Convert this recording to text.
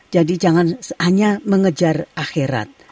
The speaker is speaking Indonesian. jadi jangan hanya mengejar akhirat